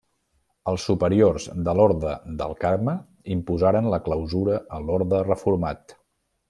Els superiors de l'Orde del Carme imposaren la clausura a l'orde reformat.